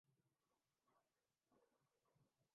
سوزش درد دل کسے معلوم